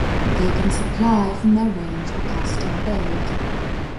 They can supply from their range or custom build.